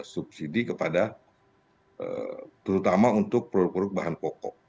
subsidi kepada terutama untuk produk produk bahan pokok